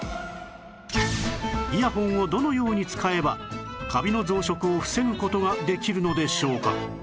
イヤホンをどのように使えばカビの増殖を防ぐ事ができるのでしょうか